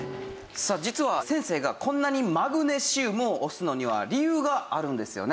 さあ実は先生がこんなにマグネシウムを推すのには理由があるんですよね？